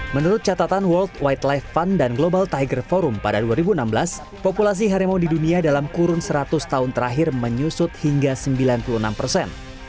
menurut catatan world white life fund dan global tiger forum pada dua ribu enam belas populasi harimau di dunia dalam kurun seratus tahun terakhir menyusut hingga sembilan puluh enam persen